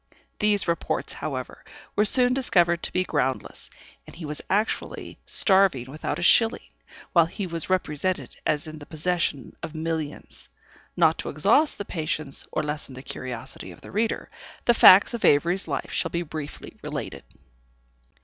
These reports, however, were soon discovered to be groundless, and he was actually starving without a shilling, while he was represented as in the possession of millions. Not to exhaust the patience, or lessen the curiosity of the reader, the facts in Avery's life shall be briefly related.